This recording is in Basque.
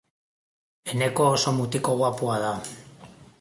Eneko oso mutiko guapoa da.